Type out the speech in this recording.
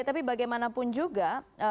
tapi bagaimanapun juga